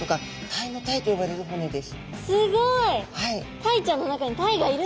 えすごい！